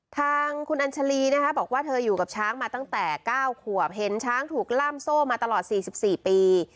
ทางคุณอัญชาลีนะคะบอกว่าเธออยู่กับช้างมาตั้งแต่๙ขวบเห็นช้างถูกล่ามโซ่มาตลอด๔๔ปี